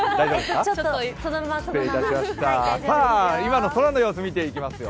今の空の様子、見ていきますよ。